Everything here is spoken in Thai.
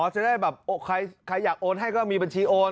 จะได้แบบใครอยากโอนให้ก็มีบัญชีโอน